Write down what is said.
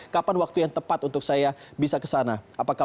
kapan waktu yang tepat untuk saya bisa ke sana